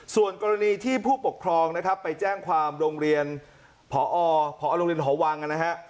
ส่วนกรณีที่ผู้ปกครองนะครับไปแจ้งความโรงเรียนพอโรงเรียนหอวังนะฮะ